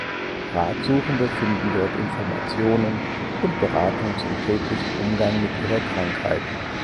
Ratsuchende finden dort Informationen und Beratung zum täglichen Umgang mit ihrer Krankheit.